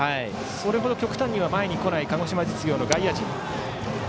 それほど極端には前に来ない鹿児島実業の外野陣。